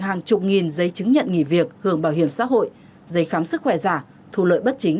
hàng chục nghìn giấy chứng nhận nghỉ việc hưởng bảo hiểm xã hội giấy khám sức khỏe giả thu lợi bất chính